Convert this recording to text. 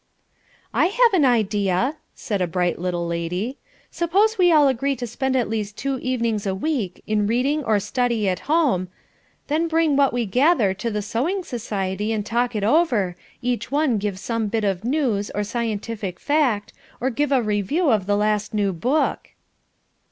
"I have an idea," said a bright little lady. "Suppose we all agree to spend at least two evenings a week in reading or study at home, then bring what we gather to the sewing society and talk it over, each one give some bit of news or scientific fact, or give a review of the last new book."